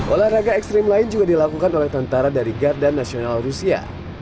olahraga ekstrim lain juga dilakukan oleh tentara dari garda nasional rusia